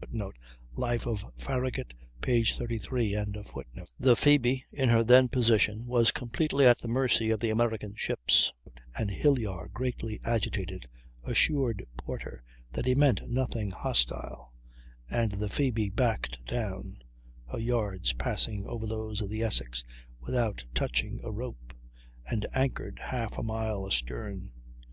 [Footnote: "Life of Farragut," p. 33.] The Phoebe, in her then position, was completely at the mercy of the American ships, and Hilyar, greatly agitated, assured Porter that he meant nothing hostile; and the Phoebe backed down, her yards passing over those of the Essex without touching a rope, and anchored half a mile astern.